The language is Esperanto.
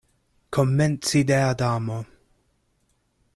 Komenci de Adamo.